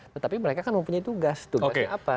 tetapi mereka kan mempunyai tugas tugasnya apa